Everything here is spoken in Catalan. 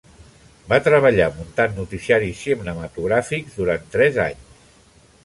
Va treballar muntant noticiaris cinematogràfics durant tres anys.